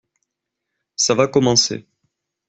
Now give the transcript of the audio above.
Ça va commencer.